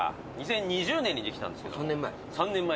３年前。